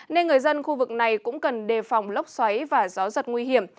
nên người dân khu vực này cũng cần đề phòng lốc xoáy và gió giật nguy hiểm